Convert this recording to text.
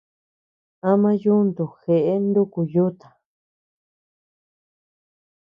Ama yuntu jeʼe nuku yuta.